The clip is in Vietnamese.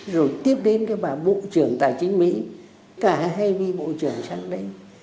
rồi tiếp đến bộ trưởng tài chính mỹ cả hai vị bộ trưởng sang đây